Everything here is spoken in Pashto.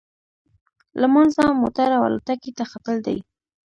لمانځه، موټر او الوتکې ته ختل دي.